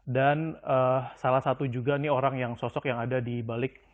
dan salah satu juga nih orang yang sosok yang ada di balik